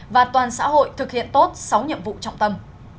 và toàn xã hội thực hiện tốt sáu nhiệm vụ trọng tâm